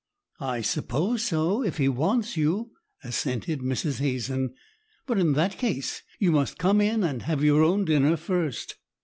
"I suppose so—if he wants you," assented Mrs. Hazen. "But in that case you must come in and have your own dinner first."